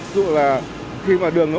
dù là khi mà đường nó